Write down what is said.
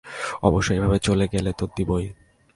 অবশ্যই, এভাবে চলে গেলে তো দিবোই?